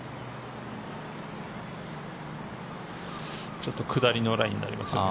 ちょっと下りのラインになりますよね。